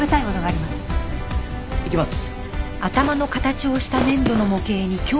いきます。